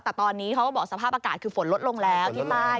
แต่ตอนนี้เขาก็บอกสภาพอากาศคือฝนลดลงแล้วที่ใต้